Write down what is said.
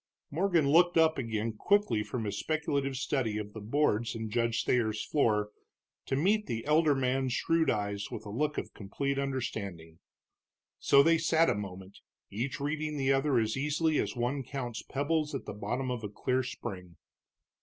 Morgan looked up again quickly from his speculative study of the boards in Judge Thayer's floor, to meet the elder man's shrewd eyes with a look of complete understanding. So they sat a moment, each reading the other as easily as one counts pebbles at the bottom of a clear spring.